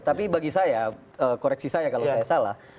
tapi bagi saya koreksi saya kalau saya salah